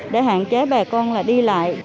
để hạn chế bà con là đi lại